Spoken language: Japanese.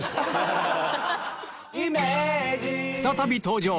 再び登場！